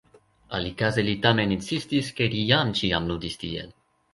Alikaze li tamen insistis, ke li jam ĉiam ludis tiel.